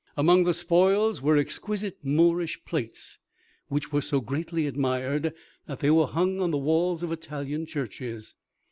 Among the spoils were exquisite Moorish plates, which were so greatly admired that they were hung on the walls of Italian churches.